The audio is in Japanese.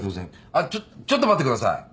あっちょっちょっと待ってください。